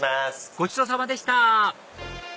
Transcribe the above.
ごちそうさまでした！